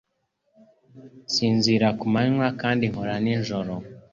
Nsinzira ku manywa kandi nkora nijoro.